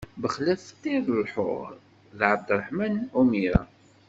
Bexlaf ṭṭir lḥur, d Ɛebderreḥman Umira.